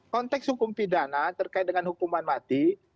konteks hukum pidana terkait dengan hukuman mati